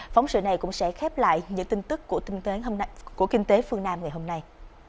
phóng sự này cũng sẽ khép lại những tin tức của kinh tế phương nam ngày hôm nay